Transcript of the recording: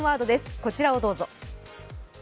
こちらをどうぞ。